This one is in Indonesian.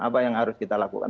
apa yang harus kita lakukan